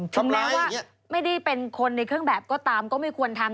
ถึงแม้ว่าไม่ได้เป็นคนในเครื่องแบบก็ตามก็ไม่ควรทำ